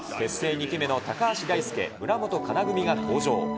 ２季目の高橋大輔・村元哉中組が登場。